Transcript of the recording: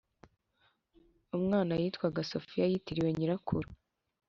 umwana yitwaga sophia yitiriwe nyirakuru.